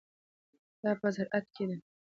دا په زراعت کې ده.